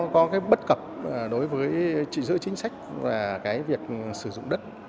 có cái bất cập đối với trị giữ chính sách và cái việc sử dụng đất